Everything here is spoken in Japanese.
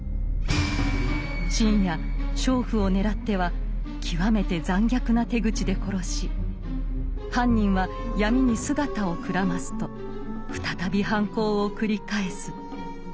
深夜娼婦を狙っては極めて残虐な手口で殺し犯人は闇に姿をくらますと再び犯行を繰り返す。